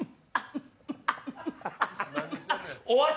終わった。